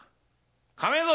亀蔵！